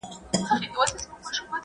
یا نینځکو څخه روزنه او زدکړه تر لاسه کوله